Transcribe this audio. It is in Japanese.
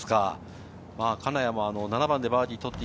金谷も７番でバーディーを取って